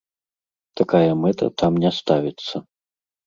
Такая мэта там не ставіцца.